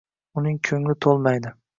uning ko‘ngli to‘lmaydi.